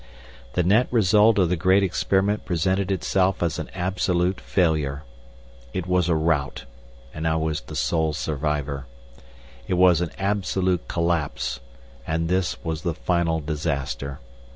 The net result of the great experiment presented itself as an absolute failure. It was a rout, and I was the sole survivor. It was an absolute collapse, and this was the final disaster.